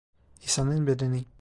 İsa'nın bedeni.